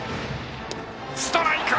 ストライク！